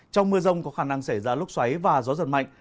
trong mưa rông có khả năng xảy ra lốc xoáy và gió giật mạnh